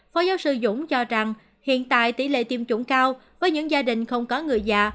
phó giáo sư dũng cho rằng hiện tại tỷ lệ tiêm chủng cao với những gia đình không có người già